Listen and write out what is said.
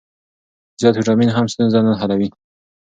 زیات ویټامین هم ستونزه نه حلوي.